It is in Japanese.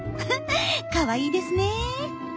かわいいですね。